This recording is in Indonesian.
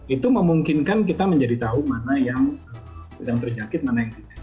itu memungkinkan kita menjadi tahu mana yang sedang terjangkit mana yang tidak